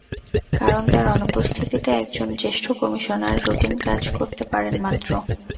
কারণ, তাঁর অনুপস্থিতিতে একজন জ্যেষ্ঠ কমিশনার রুটিন কাজ করতে পারেন মাত্র।